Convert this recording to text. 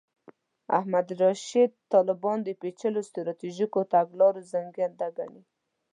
احمد رشید طالبان د پېچلو سټراټیژیکو تګلارو زېږنده ګڼي.